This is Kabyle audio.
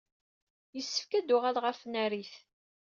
Yessefk ad uɣaleɣ ɣer tnarit.